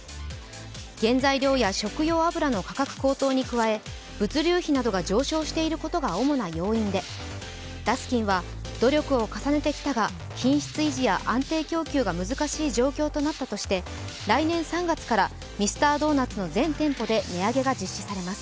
原材料や食用油の価格高騰に加え物流費などが上昇していることが主な要因でダスキンは、努力を重ねてきたが、品質維持や安定供給が難しい状況となったとして来年３月からミスタードーナツの全店舗で値上げが実施されます。